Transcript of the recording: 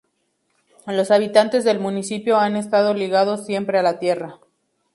Los habitantes del municipio han estado ligados siempre a la tierra.